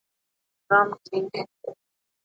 هیلۍ د خپلو هګیو لپاره نرم ځای جوړوي